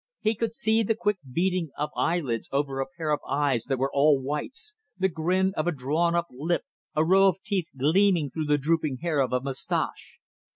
He could see the quick beating of eyelids over a pair of eyes that were all whites, the grin of a drawn up lip, a row of teeth gleaming through the drooping hair of a moustache